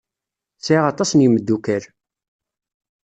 Sɛiɣ aṭas n yimeddukal.